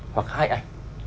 hoặc hai ảnh